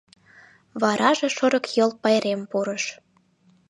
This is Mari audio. Вараже Шорыкйол пайрем пурыш.